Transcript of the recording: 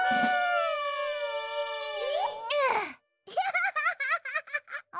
ハハハハハッ！